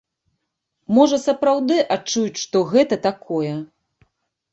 Можа, сапраўды адчуюць, што гэта такое.